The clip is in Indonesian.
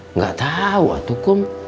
nggak tahu atukum